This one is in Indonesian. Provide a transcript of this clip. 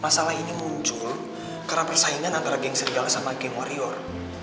masalah ini muncul karena persaingan antara geng serial sama geng warrior